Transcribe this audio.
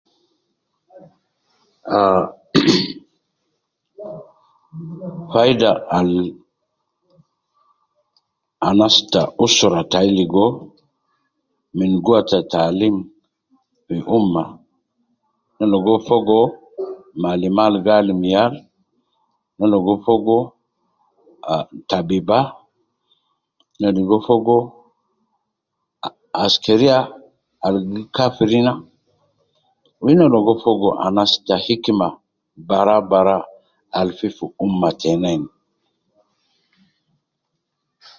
Ah, faida al anas ta usra tayi ligo min guwa ta taalim fi ummah, ne ligo fogo malima al gi alim yal, ne ligo fogo ah tabiba, ne ligo fogo askeria al gi kafir ina, wu ina ligo fogo anas te hikma baraa baraa al fi fi ummah tena ini.